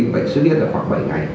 bệnh suy biết là khoảng bảy ngày